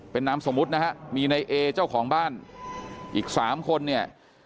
เป็นน้ำสมมตินะครับมีในเอเจ้าของบ้านอีก๓คนเนี่ย